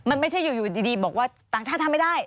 มันไม่ใช่อยู่ดีบอกว่าต่างชาติทำไม่ได้